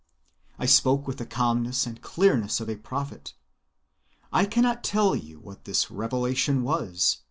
I spoke with the calmness and clearness of a prophet. I cannot tell you what this revelation was.